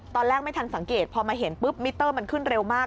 ตอนแรกไม่ทันสังเกตพอมาเห็นมิเตอร์มันขึ้นเร็วมาก